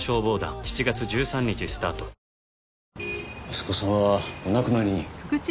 息子さんはお亡くなりに。